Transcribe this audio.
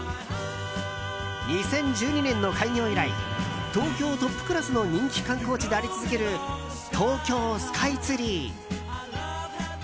２０１２年の開業以来東京トップクラスの人気観光地であり続ける東京スカイツリー。